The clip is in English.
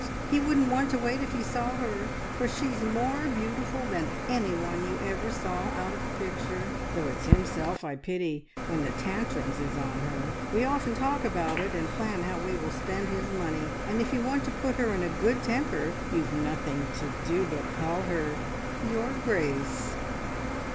He wouldn't want to wait if he saw her, for she's more beautiful than anyone you ever saw out of a picture, though it's himself I pity when the tantrums is on her. We often talk about it, and plan how we will spend his money, and if you want to put her in a good temper you've nothing to do but call her `Your Grace!'"